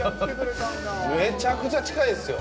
めちゃくちゃ近いですよ。